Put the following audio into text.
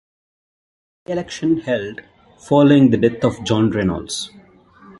By-election held following the death of John Reynolds.